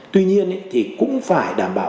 tuy nhiên thì cũng phải đảm bảo